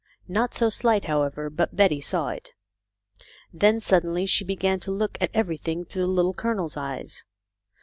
Not so slight, however, but Betty saw it. Then, suddenly she began to look at everything through the Little Colonel's eyes.